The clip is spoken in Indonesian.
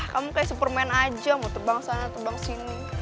kamu kayak superman aja mau terbang sana terbang sini